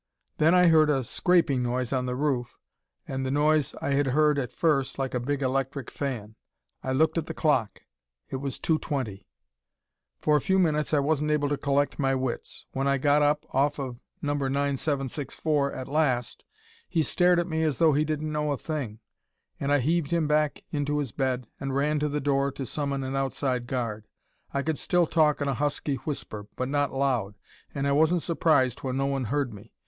Then I heard a scraping noise on the roof and the noise I had heard at first like a big electric fan. I looked at the clock. It was two twenty. "For a few minutes I wasn't able to collect my wits. When I got up off of No. 9764 at last he stared at me as though he didn't know a thing, and I heaved him back into his bed and ran to the door to summon an outside guard. I could still talk in a husky whisper, but not loud, and I wasn't surprised when no one heard me.